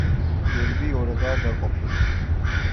გერბი ორადაა გაყოფილი.